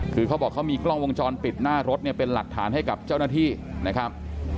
คือเขาบอกเขามีกล้องวงจรปิดหน้ารถเนี่ยเป็นหลักฐานให้กับเจ้าหน้าที่นะครับ